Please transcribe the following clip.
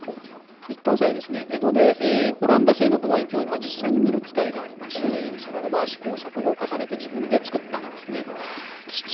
一貫斎は、江戸でオランダ製の望遠鏡を実際に見る機会がありまして、その後、試行錯誤を重ねて、実際に作ったんですね。